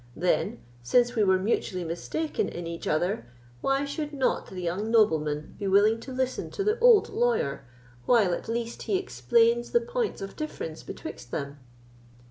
Then, since we were mutually mistaken in each other, why should not the young nobleman be willing to listen to the old lawyer, while, at least, he explains the points of difference betwixt them?"